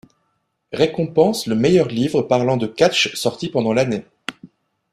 Récompense le meilleur livre parlant de catch sorti pendant l’année.